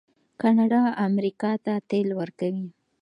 کاناډا امریکا ته تیل ورکوي.